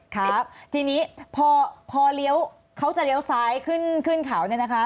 ครับทีนี้พอเลี้ยวเขาจะเลี้ยวซ้ายขึ้นเขาเนี่ยนะคะ